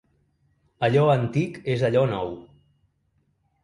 Allò antic és allò nou